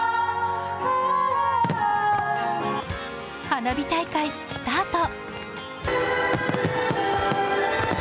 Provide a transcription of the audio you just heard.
花火大会スタート。